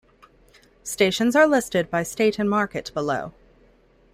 Stations are listed by state and market below.